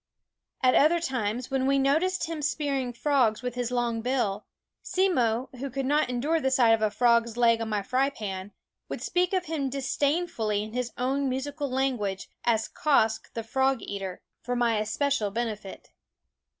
At other times, when we noticed him spearing frogs with his long bill, Simmo, who could not endure the sight of a frog's leg on my fry pan, would speak of him dis dainfully in his own musical language as Quoskh the Frog Eater, for my i yo Quoskh Keen Eyed 9 SCHOOL Of especial benefit.